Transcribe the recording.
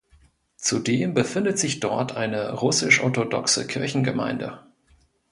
Zudem befindet sich dort eine Russisch-Orthodoxe Kirchengemeinde.